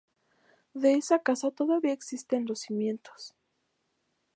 De esa casa todavía existen los cimientos.